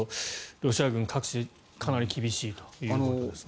ロシア軍かなり厳しいということです。